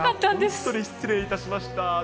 本当に失礼いたしました。